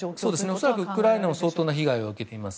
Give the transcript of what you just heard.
恐らく、ウクライナも相当な被害を受けています。